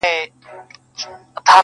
زه یو داسی جواب غوارم